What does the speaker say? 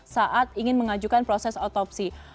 saat ingin mengajukan proses otopsi